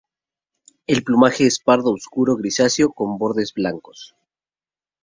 El plumaje es pardo oscuro grisáceo con bordes blancos.